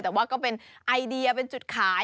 แต่ว่าก็เป็นไอเดียเป็นจุดขาย